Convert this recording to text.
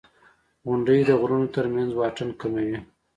• غونډۍ د غرونو تر منځ واټن کموي.